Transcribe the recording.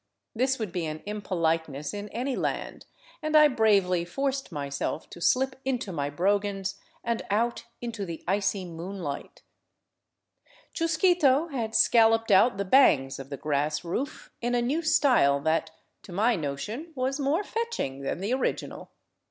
This would be an impoliteness in any land, and I bravely forced myself to slip into my brogans and out into the icy moonlight. Chusquito had scalloped out the bangs of the grass roof in a new style that, to my notion, was more fetching than the original.